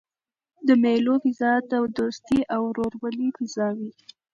د مېلو فضا د دوستۍ او ورورولۍ فضا يي.